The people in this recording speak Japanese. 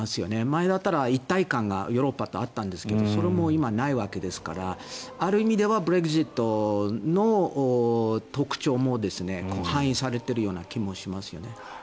前だったら一体感がヨーロッパとあったんですがそれも今はないわけですからある意味ではブレグジットの特徴も反映されているような気もしますね。